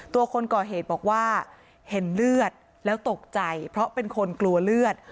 คนก่อเหตุบอกว่าเห็นเลือดแล้วตกใจเพราะเป็นคนกลัวเลือด